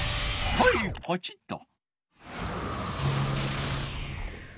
はいポチッと。